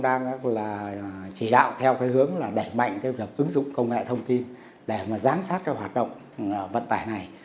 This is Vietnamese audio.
bộ cũng đang chỉ đạo theo cái hướng là đẩy mạnh cái việc ứng dụng công nghệ thông tin để mà giám sát cái hoạt động vận tải này